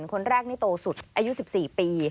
คนแรกนี่โตสุดอายุ๑๔ปี